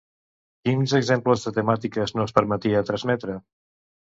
Quins exemples de temàtiques no es permetia transmetre?